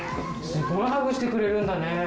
すごいハグしてくれるんだね。